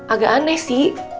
agak aneh sih